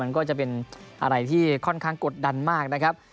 นั่นก็จะเป็นอร่อยที่ค่อนข้างกดดันมาก